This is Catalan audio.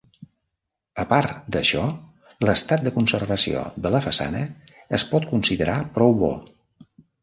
A part, d'això, l'estat de conservació de la façana es pot considerar prou bo.